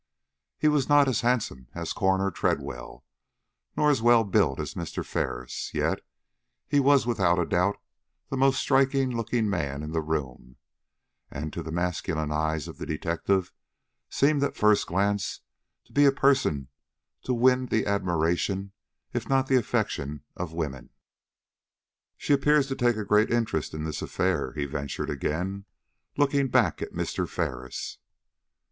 He was not as handsome as Coroner Tredwell, nor as well built as Mr. Ferris, yet he was, without doubt, the most striking looking man in the room, and, to the masculine eyes of the detective, seemed at first glance to be a person to win the admiration, if not the affection, of women. "She appears to take a great interest in this affair," he ventured again, looking back at Mr. Ferris.